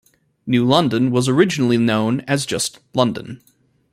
New London was originally known as just "London".